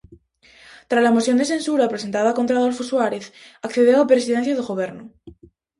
Trala moción de censura presentada contra Adolfo Suárez, accedeu á presidencia do goberno.